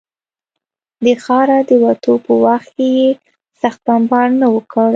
د ښاره د وتو په وخت کې یې سخت بمبار نه و کړی.